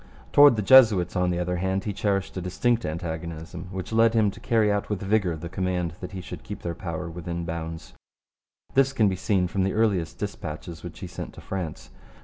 Towards the Jesuits, on the other hand, he cherished a distinct antagonism which led him to carry out with vigour the command that he should keep their power within bounds. This can be seen from the earliest dispatches which he sent to France.